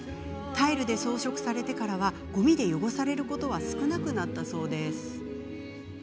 タイルで装飾されてからゴミで汚されることは少なくなったそうです。